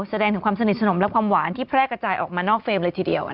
แสดงถึงความสนิทสนมและความหวานที่แพร่กระจายออกมานอกเฟรมเลยทีเดียว